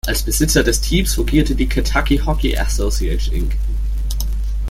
Als Besitzer des Teams fungierte die "Kentucky Hockey Associates Inc.